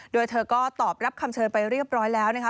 โดยเธอก็ตอบรับคำเชิญไปเรียบร้อยแล้วนะคะ